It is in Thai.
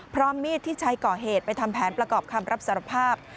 พร้อมมีดที่ใช้ก่อเหตุไปทำแผนประกอบคำรับสารภาพ